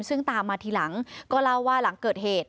ซึ่งตามมาทีหลังก็เล่าว่าหลังเกิดเหตุ